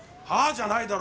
じゃないだろ！